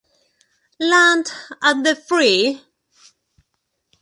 Land of the Free?